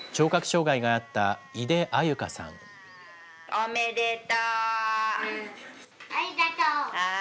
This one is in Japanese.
おめでとう。